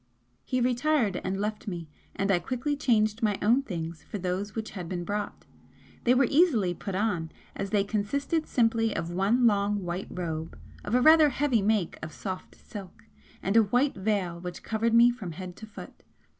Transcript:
He retired and left me, and I quickly changed my own things for those which had been brought. They were easily put on, as they consisted simply of one long white robe of a rather heavy make of soft silk, and a white veil which covered me from head to foot.